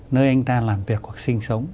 nơi anh ta làm việc hoặc sinh sống